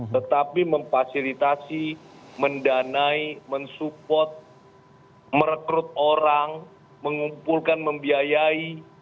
tetapi memfasilitasi mendanai mensupport merekrut orang mengumpulkan membiayai